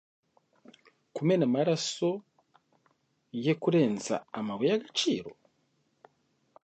kumena amaraso yekurenza amabuye yagaciro